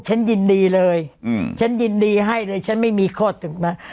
ฉันยินดีเลยฉันยินดีให้เลยฉันไม่มีข้อถึงนะ